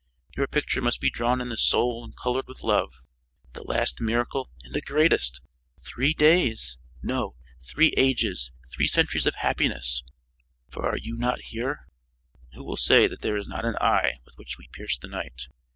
Your picture must be drawn in the soul and colored with love. The last miracle and the greatest! Three days? No, three ages, three centuries of happiness, for are you not here?" Who will say that there is not an eye with which we pierce the night?